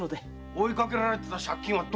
追いかけられてた借金は？